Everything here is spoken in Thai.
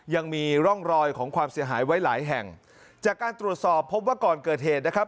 ยังมีร่องรอยของความเสียหายไว้หลายแห่งจากการตรวจสอบพบว่าก่อนเกิดเหตุนะครับ